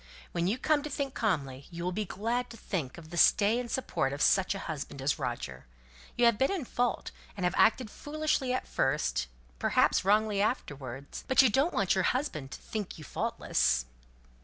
When you come to think calmly, you'll be glad to think of the stay and support of such a husband as Roger. You have been in fault, and have acted foolishly at first, perhaps wrongly afterwards; but you don't want your husband to think you faultless?"